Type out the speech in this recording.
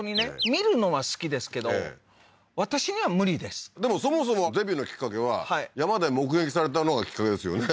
見るのは好きですけど私には無理ですでもそもそもデビューのきっかけは山で目撃されたのがきっかけですよね？